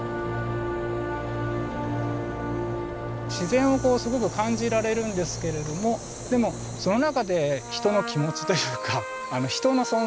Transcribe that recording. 自然をすごく感じられるんですけれどもでもその中で人の気持ちというか人の存在を感じられる。